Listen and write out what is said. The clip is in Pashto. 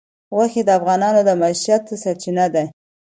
غوښې د افغانانو د معیشت سرچینه ده.